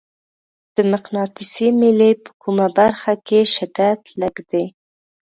د مقناطیسي میلې په کومه برخه کې شدت لږ دی؟